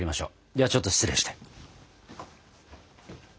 ではちょっと失礼して。